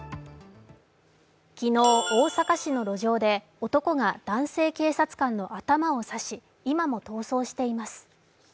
昨日、大阪市の路上で男が男性警察官の頭を刺し今も逃走しています。